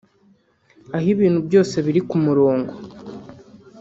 aho ibintu byose biri ku murongo